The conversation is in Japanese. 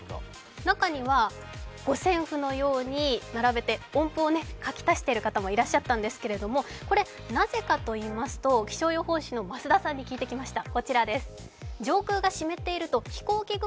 中には五線譜のように並べて音符を書き足している方もいらっしゃったんですけど、なぜかといいますと気象予報士の増田さんに聞いてきました。